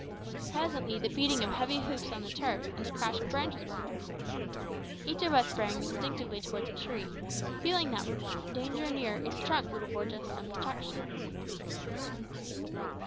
Presently the beating of heavy hoofs on the turf and the crash of branches were heard. Each of us sprang instinctively towards a tree, feeling that if danger were near its trunk would afford us some protection.